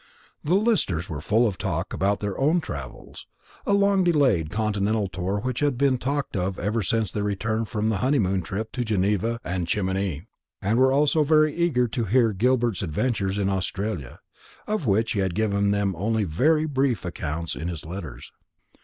The Listers were full of talk about their own travels a long delayed continental tour which had been talked of ever since their return from the honeymoon trip to Geneva and Chamouni; and were also very eager to hear Gilbert's adventures in Australia, of which he had given them only very brief accounts in his letters.